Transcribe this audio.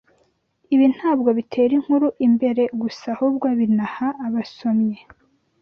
Ibi ntabwo bitera inkuru imbere gusa ahubwo binaha abasomyi